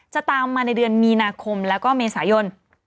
จะตามมาในเดือนมีนาคมแล้วก็เมษายน